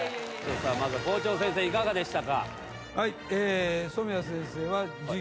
まず校長先生いかがでしたか？